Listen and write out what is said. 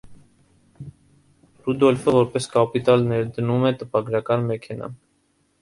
Ռուդոլֆը որպես կապիտալ ներդնում է տպագրական մեքենա։